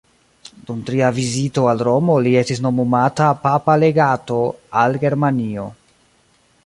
Dum tria vizito al Romo li estis nomumata papa legato al Germanio.